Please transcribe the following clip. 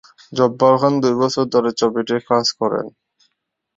জব্বার খান দুই বছর ধরে ছবিটির কাজ করেন।